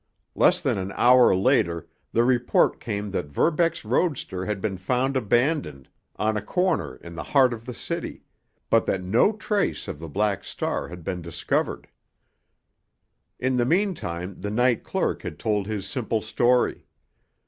Less than an hour later the report came that Verbeck's roadster had been found abandoned on a corner in the heart of the city, but that no trace of the Black Star had been discovered. In the meantime the night clerk had told his simple story.